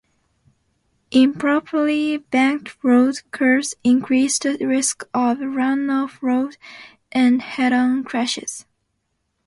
Improperly banked road curves increase the risk of run-off-road and head-on crashes.